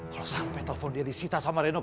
kalau sampai telepon dia disita sama reno